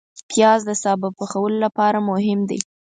پیاز د سابه پخولو لپاره مهم دی